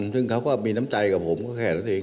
ซึ่งเขาก็มีน้ำใจกับผมก็แค่นั้นเอง